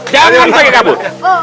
jangan pengen kabur